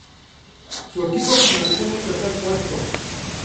Su equipo finalizó en el tercer puesto.